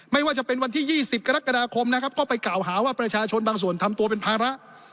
ไม่ว่าจะเป็นวันที่๒๐กรกฎาคมนะครับก็ไปกล่าวหาว่าประชาชนบางส่วนทำตัวเป็นภาระ